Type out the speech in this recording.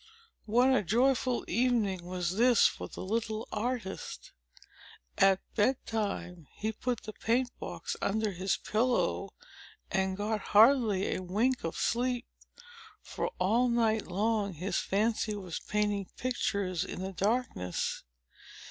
What a joyful evening was this for the little artist! At bedtime, he put the paint box under his pillow, and got hardly a wink of sleep; for, all night long, his fancy was painting pictures in the darkness.